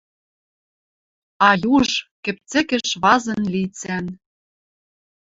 А юж, кӹпцӹкӹш вазын лицӓн